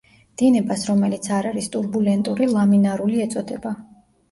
დინებას, რომელიც არ არის ტურბულენტური ლამინარული ეწოდება.